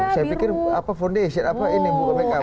saya pikir foundation apa ini bukan make up